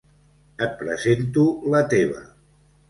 Et presento la teva.